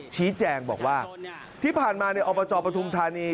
ชี้แจงบอกว่าที่ผ่านมาอประจอบประธุมธรรมนี้